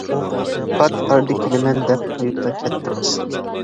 پات ئارىدا كېلىمەن، دەپ قويۇپلا كەتتىڭىز.